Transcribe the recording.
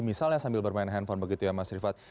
misalnya sambil bermain handphone begitu ya mas rifat